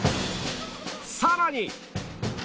さらに